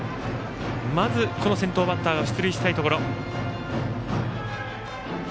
まずこの先頭バッターが出塁したいところ。